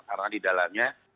karena di dalannya